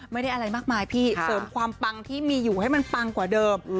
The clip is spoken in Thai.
ไม่ได้อะไรมากมายพี่เสริมความปังที่มีอยู่ให้มันปังกว่าเดิม